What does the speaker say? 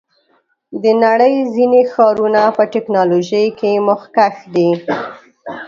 د نړۍ ځینې ښارونه په ټیکنالوژۍ کې مخکښ دي.